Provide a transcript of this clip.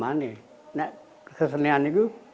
dan kesanian itu